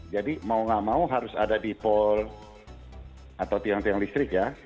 jadi mau gak mau harus ada dipol atau tiang tiang listrik ya